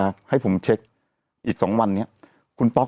เราก็มีความหวังอะ